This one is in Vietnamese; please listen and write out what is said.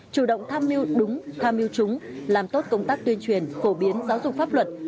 chủ động tham mưu đúng tham mưu chúng làm tốt công tác tuyên truyền phổ biến giáo dục pháp luật